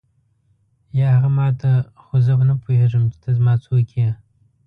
یا هغه ما ته خو زه نه پوهېږم چې ته زما څوک یې.